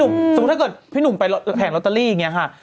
สมมุติถ้าเกิดพี่หนุ่มไปแผงลอตเตอรี่อย่างนี้ค่ะ